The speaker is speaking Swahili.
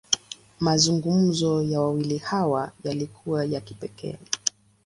Mazungumzo ya wawili hawa, yalikuwa ya kipekee.